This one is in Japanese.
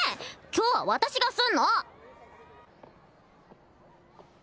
今日は私がすんの！